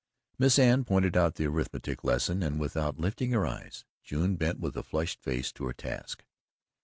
Miss Anne pointed out the arithmetic lesson and, without lifting her eyes, June bent with a flushed face to her task.